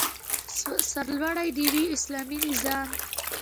سرلوړی دې وي اسلامي نظام